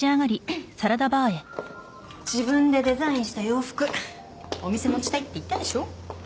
自分でデザインした洋服お店持ちたいって言ったでしょ？